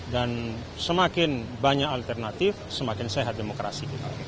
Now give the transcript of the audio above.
dan semakin banyak alternatif semakin sehat demokrasi